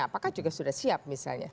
apakah juga sudah siap misalnya